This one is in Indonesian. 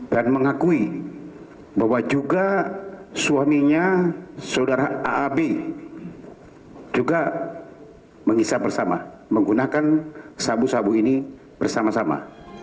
dan mengakui bahwa juga suaminya saudara aab juga mengisah bersama menggunakan sabu sabu ini bersama sama